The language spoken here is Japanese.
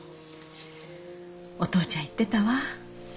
お父ちゃん言ってたわ。